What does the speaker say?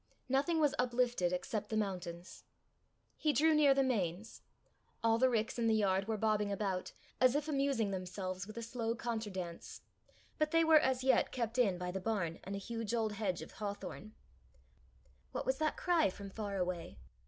Nothing was uplifted except the mountains. He drew near the Mains. All the ricks in the yard were bobbing about, as if amusing themselves with a slow contradance; but they were as yet kept in by the barn, and a huge old hedge of hawthorn. What was that cry from far away?